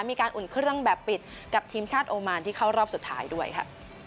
มีการอุ่นเครื่องแบบปิดกับทีมชาติโอมานที่เข้ารอบสุดท้ายด้วยค่ะ